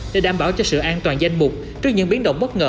để đảm bảo cho sự an toàn danh mục trước những biến động bất ngờ